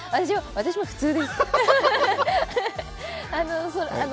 私も、普通です。